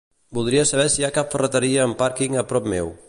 Voldria saber si hi ha cap ferreteria amb pàrquing a prop meu.